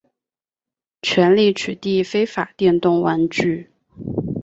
全力取缔非法电动玩具